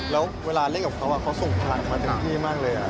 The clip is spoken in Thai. แล้วเวลาเล่นกับเขาเขาส่งทางมาเต็มที่มากเลย